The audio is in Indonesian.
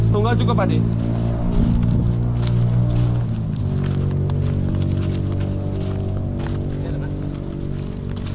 tunggal cukup pak deh